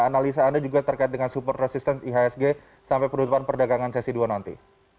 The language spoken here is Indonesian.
analisa anda juga terkait dengan support resistance ihsg sampai penutupan perdagangan sesi dua nanti